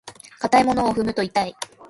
硬いものを踏むと痛い。